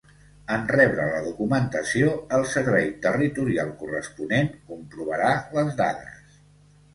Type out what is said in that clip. En rebre la documentació, el Servei Territorial corresponent comprovarà les dades.